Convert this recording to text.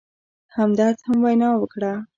همدرد هم وینا وکړه.